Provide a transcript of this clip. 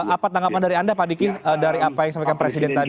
apa tanggapan dari anda pak diki dari apa yang disampaikan presiden tadi